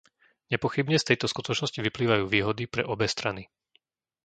Nepochybne z tejto skutočnosti vyplývajú výhody pre obe strany.